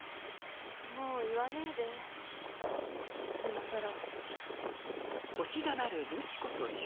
もう言わねえで今さら。